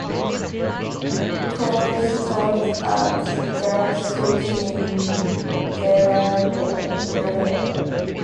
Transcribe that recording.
Kruse taught at Black schools in Delaware.